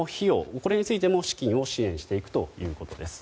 これについても資金を支援していくということです。